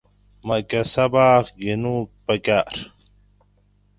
ماکہ سباۤق گِھنوگ پکاۤر